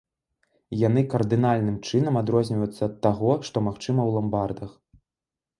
Яны кардынальным чынам адрозніваюцца ад таго, што магчыма ў ламбардах.